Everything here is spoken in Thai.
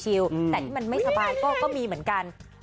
แต่ที่มันไม่สบายก็มีเหมือนกัน